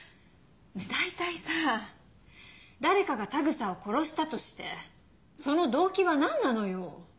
大体さぁ誰かが田草を殺したとしてその動機は何なのよ？